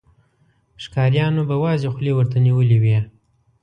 ښکاريانو به وازې خولې ورته نيولې وې.